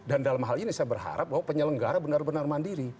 dan dalam hal ini saya berharap bahwa penyelenggara benar benar mandiri